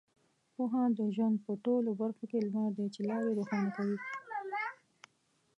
پوهه د ژوند په ټولو برخو کې لمر دی چې لارې روښانه کوي.